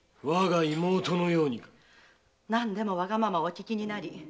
何でもわがままをお聞きになり。